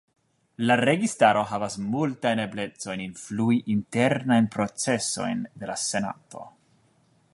La registaro havas multajn eblecojn influi internajn procesojn de la senato.